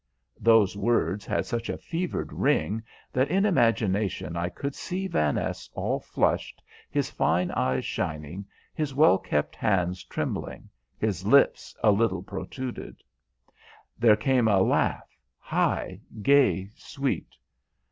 Those words had such a fevered ring that in imagination I could see Vaness all flushed, his fine eyes shining, his well kept hands trembling, his lips a little protruded. There came a laugh, high, gay, sweet.